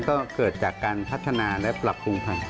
ก็เกิดจากการพัฒนาและปรับปรุงพันธุ์